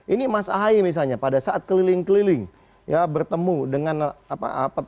ini mas ahaye misalnya pada saat keliling keliling ya bertemu dengan apa